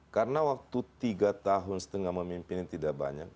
karena waktu tiga tahun setengah memimpin tidak banyak